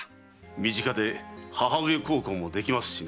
身近で母上孝行もできますしね。